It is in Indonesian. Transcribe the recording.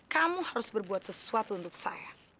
kamu harus berbuat sesuatu untuk saya